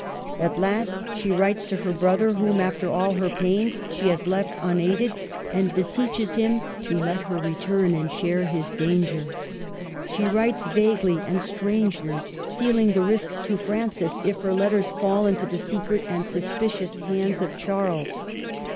At last she writes to the brother whom, after all her pains, she has left unaided, and beseeches him to let her return and share his danger. She writes vaguely and strangely, feeling the risk to Francis if her letters fall into the secret and suspicious hands of Charles :— I08 MARGARET OF ANGOUL^ME.